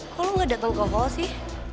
kok lo gak dateng ke hall sih